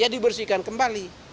ya dibersihkan kembali